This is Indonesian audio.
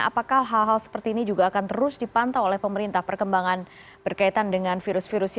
apakah hal hal seperti ini juga akan terus dipantau oleh pemerintah perkembangan berkaitan dengan virus virus ini